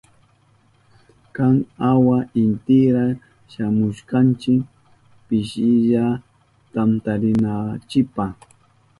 Kan awa intira shamushkanki pishinra tantarinanchipa.